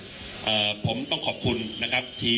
คุณผู้ชมไปฟังผู้ว่ารัฐกาลจังหวัดเชียงรายแถลงตอนนี้ค่ะ